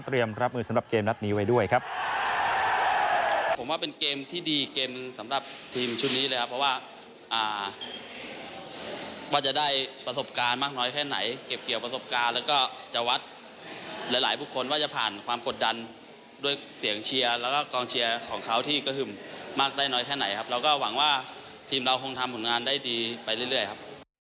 เตรียมรับมือสำหรับเกมรัฐนี้ไว้ด้วยครับ